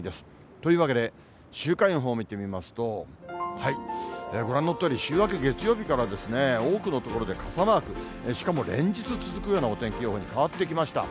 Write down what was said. というわけで、週間予報見てみますと、ご覧のとおり、週明け月曜日から多くの所で傘マーク、しかも連日続くようなお天気に変わってきました。